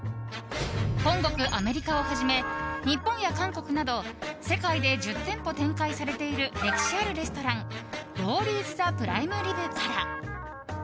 本国アメリカをはじめ日本や韓国など世界で１０店舗展開されている歴史あるレストランロウリーズ・ザ・プライムリブから。